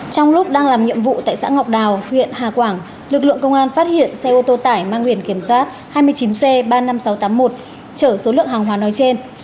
trong lúc đang làm nhiệm vụ tại xã ngọc đào huyện hà quảng lực lượng công an phát hiện xe ô tô tải mang biển kiểm soát hai mươi chín c ba mươi năm nghìn sáu trăm tám mươi một chở số lượng hàng hóa nói trên